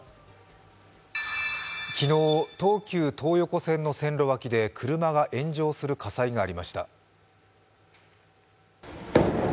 昨日、東急東横線の線路脇で車が炎上する火災がありました。